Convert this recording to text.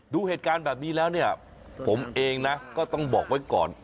ดูเหตุการณ์แบบนี้แล้วเนี่ยผมเองนะก็ต้องบอกไว้ก่อน